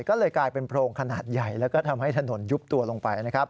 ก็เลยกลายเป็นโพรงขนาดใหญ่แล้วก็ทำให้ถนนยุบตัวลงไปนะครับ